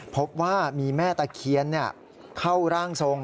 พบว่ามีแม่ตะเคียนเข้าร่างทรง